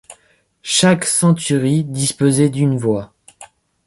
Chaque centurie disposait d'une voix.